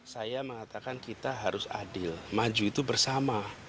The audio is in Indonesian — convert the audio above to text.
saya mengatakan kita harus adil maju itu bersama